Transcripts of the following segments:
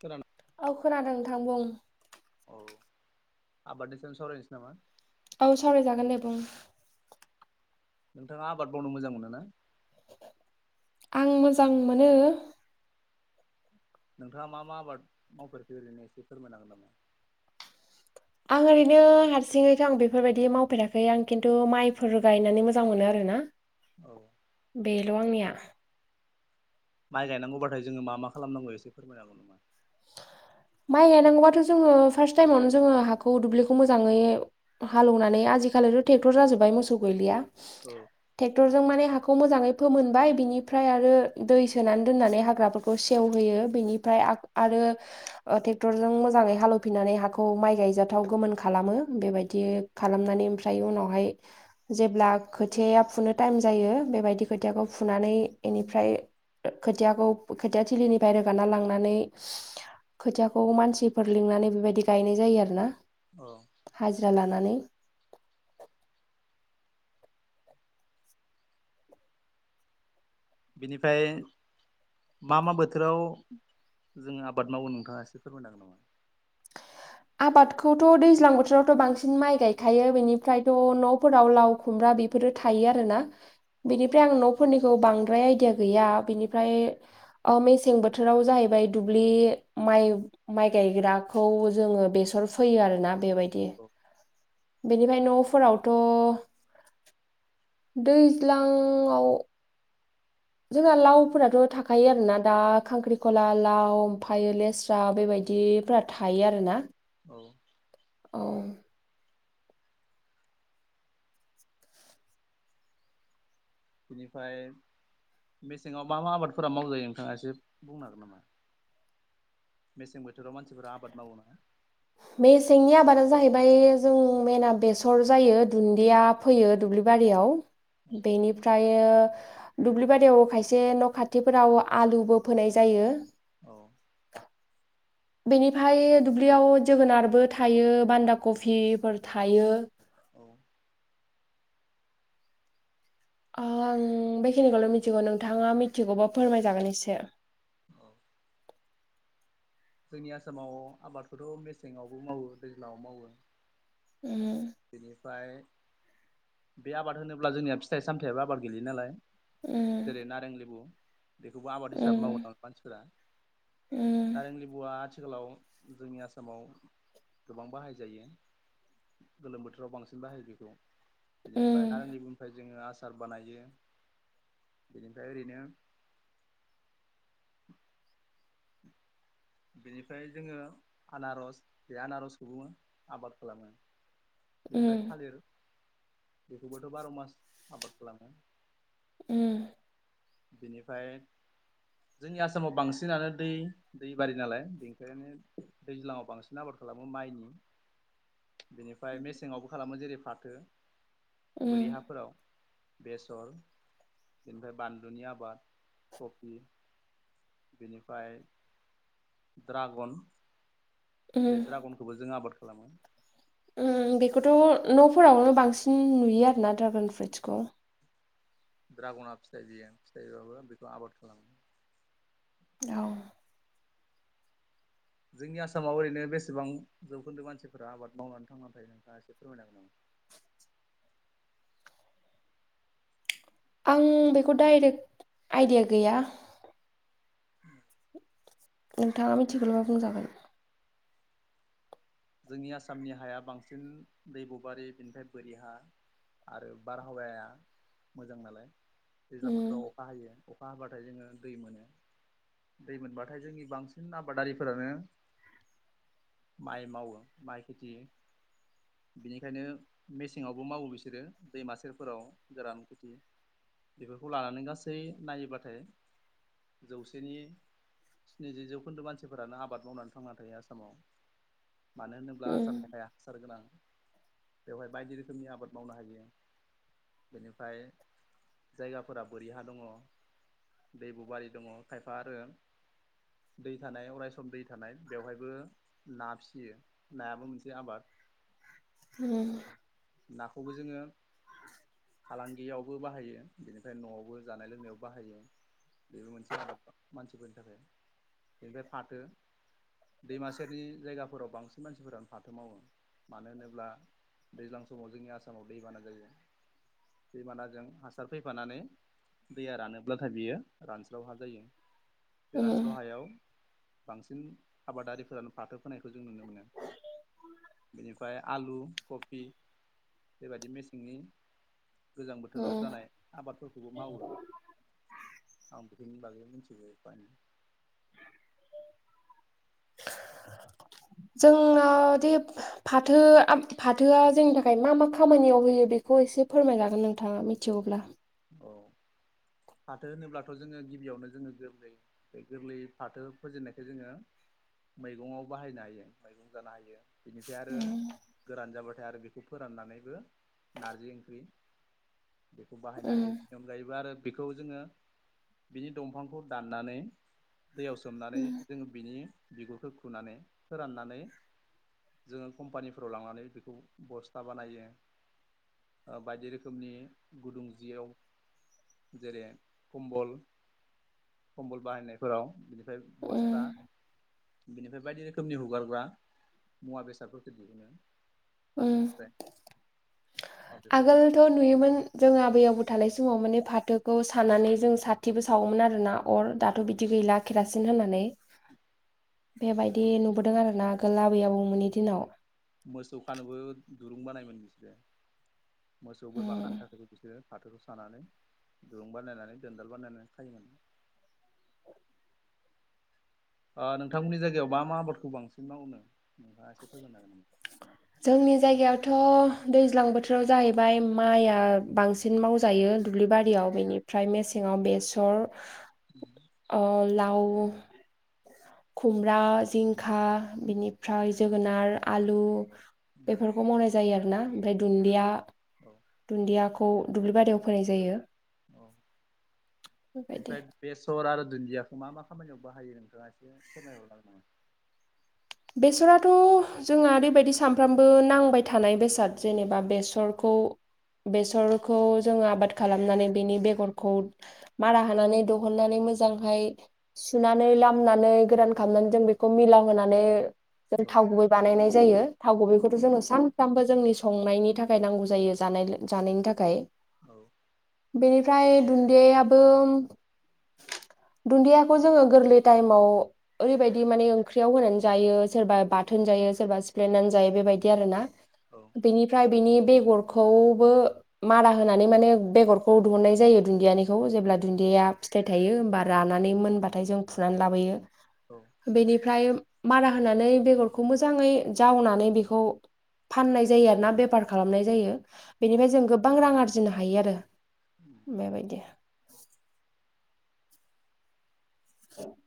खोना औ खोनादों नोंथां बुं। औ आबादनि सानो सावरायनोसै नामा। औ सावरायजागोनलदे बुं। नोंथाङा आबाद मावनो मोजां मोनो ना। आं मोजां मोनो। नोंथाङा मा मा आबाद मावफेरखो ओरैनो एसे फोरमायनांगोन नामा। आं ओरैनो हारसिङैथ' आं बेफोरबायदि मावफेराखै आं खिन्थु माइफोर गायनानै मोजां मोनो आरो। ना औ बेल' आंनिया माइ गायनांगौब्लाथाय जोङो मा मा खालामनांगौ एसे फोरमायनो हागौ नामा? माइ गायनांगौबाथ' जोङो फार्स्ट टाइमावनो जोङो हाखौ दुब्लिखौ मोजाङै हालौवनानै आजीकालिथ ट्रेकटर जाजोबबादय मोसौ गोयलिया। औ बेखौ मोजाङै फोमोनबाय बिनिफ्राय आरो दै सोनानै दोननानै हाग्राफोरखौ सेवहोयो बेनिफ्राय। आरो ओ ट्रेक्टरजों मोजाङै हालेवफिननानै हाखौ माइ गायजाथाव गोमोन खालामो बेबायदि। बि खालामनानै ओमफ्राय उनावहाय जेब्ला खोथिया फुनो टाइम जायो बेबायदि। खोथियाखौ फुनानै बेनिफ्राय खोथियाखौ खोथिया थिलिनिफ्राय रोगानना लांनानै। खोथियाखौ मानसिफोर लिंनानै बेबायदि गायनाय जायो आरो ना। औ हाजिरा लानानै। बिनिफ्राय मा मा बोथोराव जोङो आबाद मावो नोंथाङा एसे फोरमायनांगोन नामा। [unintelligible] आबादखौथ' दैज्लां बोथोरावथ' बांसिन माइ गायखायो बेनिफ्रायथ' न'फोराव लाव खुमब्रा। बिफोरो थायो आरोना औ बेनिफ्राय आं नफोरनि। बांद्राय आइदिया गैया बिनिफ्राय ओ मेसें बोथोराव जाहैबाय दुब्लि। माइ माइ गायग्राखौ जोङो बेसर फैयो आरोना बेबायदि औ बेनिफ्राय न'फोरावथ' दैज्लाङाव जोंना लावफोराथ' थाखायो आरोना दा खांख्रिखला लाव आमफायो लेस्रा बेबायदि बिदिफोरा थायो आरोना औ औ बिनिफ्राय मेसेङाव मा मा आबादफोरा मावजायो नोंथाङा एसे बुंनो हागोन नामा मेसें बोथोराव मानसिफोरा आबाद मावो ना मेसेंनि आबादानो जाहैबाय जों मेना बेसर जायो दुन्दिया फैयो दुब्लि बारियाव बेनिफ्राय दुब्लि बारियाव खायसे न' खाथिफोराव आलुबो फोनाय जायो औ बेनिफ्राय दुब्लियाव जोगोनारबो थायो बान्दा कफिफोर थायो औ आं बेखिनिखौल' मिथिगौ नोंथाङा मिथिगौबा फोरमाय जागोन एसे औ जोंनि आसामाव आबादखौथ' मेसेङावबो मावो दैज्लांआव मावो उम बेनिफ्राय बे आबाद होनोब्ला जोंनिया फिथाइ सामथायाबो आबाद गोलैयो नालाय उम जेरै नारें लिबु बेखौबो आबाद हिसाबै उम मावनो गोबां मानसिफोरा नालें लेबुवा आथिखालाव जोंनि आसामाव गोबां बाहाय जायो गोलोम बोथोराव बांसिन बाजाहायो बेखौ बिनिफ्राय उम नारें लिबुनिफ्राय जोङो आसा आसार बानायो बेनिफ्राय ओरैनो बिनिफ्राय जोङो आनारस बे आनारसखौङो आबाद खालामो उम बेनिफ्राय थालिर बेखौबोथ' बार' मास आबाद खालामो उम। बिनिफ्राय जोंनि आसामाव बांसिनानो दै दैबारि नालाय बेनिखायनो दैज्लाङाव बांसिन आबाद खालामो माइनि [inaudible] बेनिफ्राय मेसेंआव खालामो जेरै फाथो बोरि उम हाफोराव बेसर बेनिफ्राय बान्लु दुन्दिया आबाद कफि बेनिफ्राय द्रागन बे ड्रागनखौबो जों आबाद ओम बेखौथ' न'फोरावनो बांसिन नुयो आरोना ड्रागन फ्रुटसखौ ड्रागना फिथाइ बियो फिथाइबाबो बेखौ आबाद खालामो औ जोंनि आसामाव ओरैनो बेसेबां जौखोन्दो मानसिफोरा आबाद मावनानै थांनानै थायो नोंथाङा एसे फोरमाय हागोन [inaudible] आं बेखौ डाइरेक्ट आइडिया गैया [inaudible] नोंथाङा मिथिगौबा बुंजागोन जोंनि आसामनि हाया बांसिन दैब' बारि बिनिफ्राय बोरि हा आरो बारहावाया मोजां नालाय दैज्लां उम बोथोराव अखा हायो अखा अखा हाब्लाथाय जोङो दै मोनो दै मोनबाथाय जोंनि बांसिन आबादारिफोरानो माइ मावो माय खिथि बिनिखायनो मेसेंआवबो मावो बिसोरो दैमा सेरफोराव गोरान खेथि बेफोरखौ लानानै गासै नायोब्लाथाय जौसेनि स्निजि जौखोन्दो मानसिफोरानो आबाद मावनानै थांना थायो आसामाव। मानो होनोब्ला उम आसामनि हाया हासार गोनां बेवहाय बायदि रोखोमनि आबाद मावनो हायो। बेनिफ्राय जायगाफोरा बोरि हा दङ। दैब' बारि दङ खायफा आरो दै थानाय अरायक्षसम दै थानाय बेवहायबो ना फिसियो। नायाबो मोनसे आबाद उम। नाखौबो जोङो [inaudible] फालांगियावबो बाहायो बेनिफ्राय न'आवबो जानाय लोंनायाव बाहायो। बेबो मोनसे आबाद मानसिफोरनि थाखाय बेनिफ्राय फाथो दैमा सेरनि जायगाफोराव बांसिन मानसिफोरानो फाथो मावो। मानो होनोब्ला दैज्लां समाव जोंनि आसामाव दैबाना जायो। दैमानाजों हासार फैफानानै। दैया रानोब्लाथाय बियो रानस्राव हा जायो बे उम रानस्राव हायाव। बांसिन आबादारिफोरानो फाथो होनोनायखौ जों नुनो मोनो। बेनिफ्राय आलु कफि। बेबायदि मेसेंनि गोजां बोथोराव उम जानाय आबादफोरखौ। बेखौबो मावो आं बेफोरनि बागै मिथिग फनो। [inaudible] जोंनावदि फाथो फाथोआ जोंनि थाखाय मा मा खामानियाव होयो बेखौ एसे। से फोरमाय लागोन नोंथाङा मिथिगौब्ला। औ फाथो होनोब्लाथ' जोङो गिबियावनो जोङो गोरलै बे गोरलै फाथो फोजेननायख जोङो। मैगंआव बाहायनो हायो मैगं जानो हायो बेनिफ्राय आरो। गोरान जाबाथाय आरो बेखौ फोराननानैबो नारजि ओंख्रि बेखौ। उम अनगायोैबो आरो बेखौ जोङो बिनि दंफांखौ दाननानै। दैयाव सोमनानै उम जोङो बिनि बिगुरखौ खुनानै फोराननानै। जोङो कम्पानिफोराव लांनानै बेखौ बस्था बानायो। बायदि रोखोमनि गुदुं। जियाव जेरै कम्बल। कम्बल बाहायनायफोराव बिनिफ्राय बस्था बिनिफ्राय बायदि रोखोमनि हगारग्रा मुवा बेसादफोरखौ बिहुनो उम फाथोनिफ्राय बेफोरखौनो आगोलथ' नुयोमोन जों आबै आबोथ थानाय समाव माने फाथोखौ सानानै जों साथिबो सावोमोन आरो ना अर दाथ' बिदि गैला केरासिन होननानै बेबायदि बेफोर नुबोदों आरो ना लाबोै आबौमोननि दिनाव। मोसौ खानोबो दुरुं बानायोमोन बिसोरो मोसौ बोरमा उम खानो थाखायबो बिसोरो। फाथोखौ सानानै दुरुं बानायनानै दोनदाल बानायनानै खायोमोन। नोंथांमोननि जायगायाव मा मा आबादखौ बांसिन मावोनो। [inaudible] थ' दैज्लां बोथोराव जाहैबाय माइआ बांसिन मावजायो दुब्लि बारियाव बेनि। ओमफ्राय मेसेंआव बेसर लाव खुमब्रा जिंखा बिनिफ्राय जोगोनार आलु। बेफोरखौ मावनाय जायो आरो ना ओमफ्राय दुदिया औ दुन्दिया। खौ दुब्लि बारियाव फैाय जायो। औ बेबायदि बेनिफ्राय बेसर आरो। दुन्दियाखौ मा मा खामानियाव बाहायो नोंथाङा एसे फोरमायहरलां आ। बेसराथ' जोंहा ओरैबायदि सानफ्रामबो नांबाय थानाय बेसाद जेनेबा बेसरखौ। बेसरखौ जोङो आबाद खालामनानै बेनि बेगरखौ मारा हानानै दिहुननानै। मोजांहाय सुनानै लामनानै गोरान खालामनानै जों बेखौ मिलांहानै। जों औ थाव गुबै बानायनाय। जायो थाव गुबैखौथ' जोंनो सानफ्रामबो जोंनि संनायनि थाखाय नांगौ जायो ज जानायनि थाखाय। औ। बेनिफ्राय दुन्दिदियाबो। दुन्दियाखौ जोङो गोरलै टाइमाव ओरैबायाददि माने ओंख्रियाव होनानै। जायोबा बाथोन जायोबा ज बेबाय आरोना। औ बेगरखौबो मारा होनानै माने बेगरखौ दिहनाय जायो दुदियानिखौ जे दुदिया। या फिथाइ थायो हबा रानानै मोनबाथाय जों फुनानै लाबोयो औ बेनिफ्राय। मारा होनानै बेगरखौ मोजाङै जावनानै बेखौ। फाननाय जायो आरोना बेफार खालामनाय जायो। औ बेनिफ्राय जों गोबां रां आरजिनो हायो आरो बेबायदि औ [unintelligible]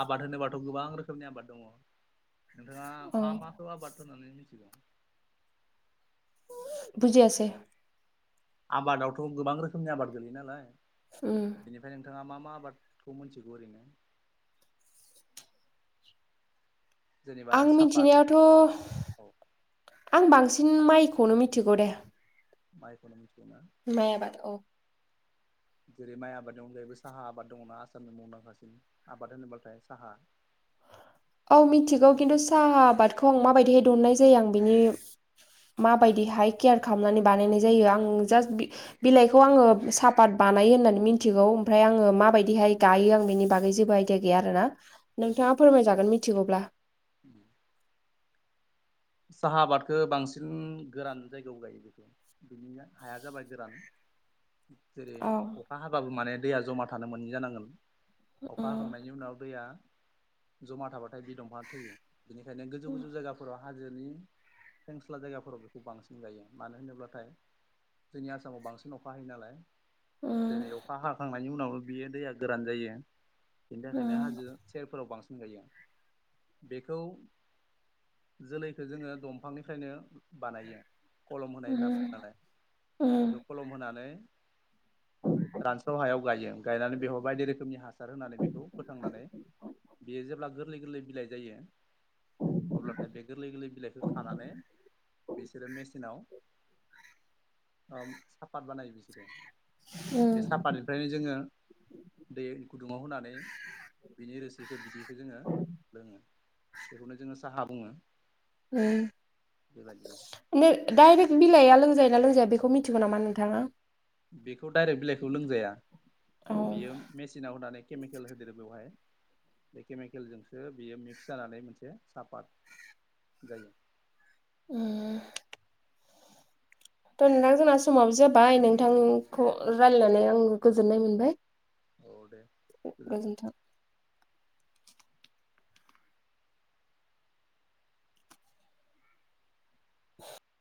आबाद होनोबाथ' गोबां रोखोमनि आबाद दङ नोंथाङा औ मा माखो आबाद होननानै मिनथिगौ बुजियासे आबादावथ' गोबां रोखोमनि आबाद गोलैयो नालाय उम बेनिफ्राय नोंथाङा मा मा आबादखौ मोनथिगौ ओरैनो जेनेबा आं सापात मिथिनायाथ' औ आं बांसिन माइखौनो मिथिगौ दे माइखौ मिथियोना माय आबाद जेरै माइ आबादनि अनगायैबो साहा आबाद दङना आसामनि मुंदांखासिन आबाद होनोब्लाथाय साहा औ मिथिगौ खिन्थु साहा आबादखौ आं माबायदिहाय दुहुनाय जायो आं बिनि माबायदिहाय केयार खालामनानै बानायनाय जायो आं जास्ट बिलाइखौ आङो सापात ब बानायो होनानोय मिनथिगौ ओमफ्राय आं माबादि गायो बिनि बागै जेबो आइदा गैया आरोना नोंथां नोंथांआ फोरमाय जागोन मिथिगौब्ला साहा आबादखौ बांसिन गोरान जायगायाव गायो बेखौ बिनिया हाया जाबाय गोरान [unintelligible] जेरै औ अखा हाबाबो माने दैया जमा थानो मोनै जानांगोन अखा उम हाखांनायनि उनाव दैया जमा थाबाथाय बि दंफां थैयो बेनिखायनो गोजौ गोजौ जायगफोराव हा हाजोनि सेंस्ला जायगाफोराव बेखौ बांसिन गायो मानो होनोब्लाथाय जोंनि आसामाव बांसिन अखा हायो नालाय उम जेरै अखा हाखांनायनि उनाव बियो दैया गोरान जायो बिनि थाखायनो उम हाजो सेरफोराव बांसिन बेखौ जोलैखौ जोङो दंफांनिफ्रायनो बानायो खलम होनाय होना उम बुं नालाय उम बेखौ खलम होनानै रानस्राव हायाव गायो गायनानै बेयाव बायदि रोखोमनि हासार होनानै बेखौ फोथांनानै बेयो जेब्ला गोरलै गोरलै बिलाइ जायो अब्ला बे गोरलै गोरलै बिलाइखौ खानानै बिसोरो मेचनाव साफात बानायो बिसोरो बे उम सापतनिफ्रायनो जोङो दै गुदुङाव होनानै बिनि रोसिखौ बिदैखौ जोङो लोङो बेखौनो जोङो साहा बुङो बेबायदिनो दडायरेक् बिलाइआ लोंजाय ना लोंजाया बेखौ मिथिगौ नामा नोंथाङा बेखौ डाइरेक्ट बिलाइखौ लोंजाया औ। बियो मेसिनाव होनानै केमिकेल होदेरो बेवहाय बे केमिकेलजोंसो बियो मिक्स जानानै मोनसे सापात जायो उ थ नोंथां जोंना समाबो जाबाय नोंथांखौ रायजल्लायनानै आं गोजोननाय मोनबाय। औ दे गोजोनथों गोजोन्थों [inaudible]